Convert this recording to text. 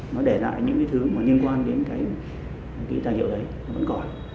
nó để lại những cái thứ mà liên quan đến cái tài liệu đấy nó vẫn còn